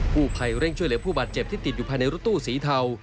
ผู้ภัยเร่งช่วยเหลือผู้บาดเจ็บที่ติดอยู่ภายในรถตู้สีเทา